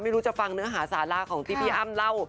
ไม่รู้จะฟังเนื้อหาสาราของที่พี่อ้ำเล่า